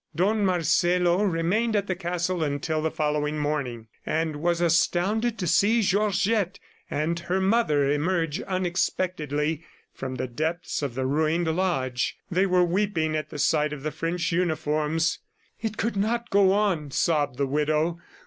Don Marcelo remained at the castle until the following morning, and was astounded to see Georgette and her mother emerge unexpectedly from the depths of the ruined lodge. They were weeping at the sight of the French uniforms. "It could not go on," sobbed the widow.